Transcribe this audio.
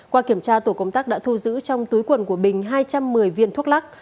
qua kiểm tra tổ công tác đã thu giữ trong túi quần của bình hai trăm một mươi viên thuốc lắc